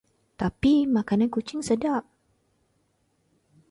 Tapi, makanan kucing sedap.